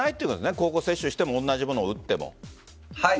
交互接種をしても同じものを打っても。